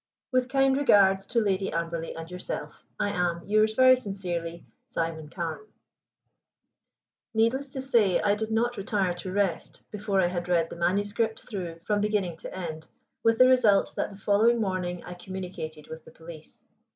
"With kind regards to Lady Amberley and yourself, "I am, yours very sincerely, "SIMON CARNE." Needless to say I did not retire to rest before I had read the manuscript through from beginning to end, with the result that the morning following I communicated with the police.